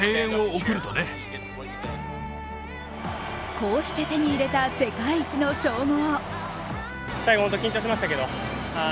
こうして手に入れた世界一の称号。